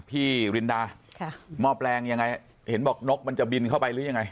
รินดาค่ะหม้อแปลงยังไงเห็นบอกนกมันจะบินเข้าไปหรือยังไง